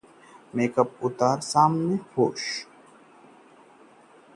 makeup उतारकर जब बीवी आई सामने तो उड़ गए होश